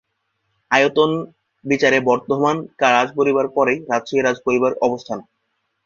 আয়তন বিচারে বর্ধমান রাজ পরিবারের পরেই রাজশাহী রাজ পরিবারের স্থান।